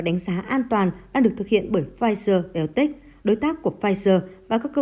đánh giá an toàn đang được thực hiện bởi pfizer eotech đối tác của pfizer và các cơ